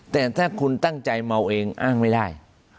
แต่ถ้าคุณตั้งใจเมาเองอ้างไม่ได้